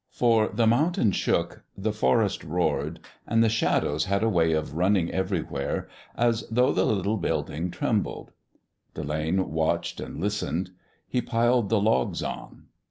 For the mountain shook, the forest roared, and the shadows had a way of running everywhere as though the little building trembled. Delane watched and listened. He piled the logs on.